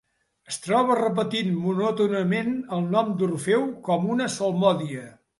Es troba repetint monòtonament el nom d'Orfeu, com una salmòdia.